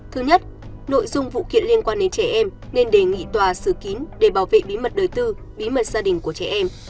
thứ nhất nội dung vụ kiện liên quan đến trẻ em nên đề nghị tòa xử kín để bảo vệ bí mật đời tư bí mật gia đình của trẻ em